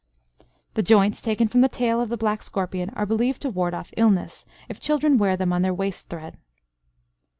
The joints taken from the tail of the black scorpion are believed to ward off illness, if children wear them on their waist thread.